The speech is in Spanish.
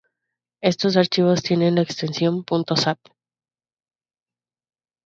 Estos archivos tiene la extensión.sat.